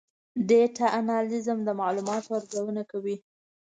ډیټا انالیسز د معلوماتو ارزونه کوي.